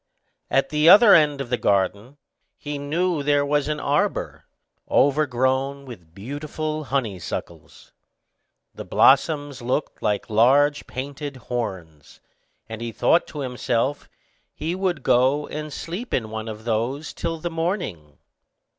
At the other end of the garden, he knew there was an arbor, overgrown with beautiful honey suckles. The blossoms looked like large painted horns; and he thought to himself, he would go and sleep in one of these till the morning.